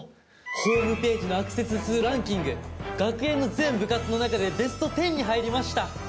ホームページのアクセス数ランキング学園の全部活の中でベスト１０に入りました！